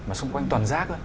mà xung quanh toàn rác